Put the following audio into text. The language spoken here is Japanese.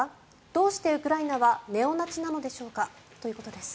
どうしてウクライナはネオナチなんでしょうかということです。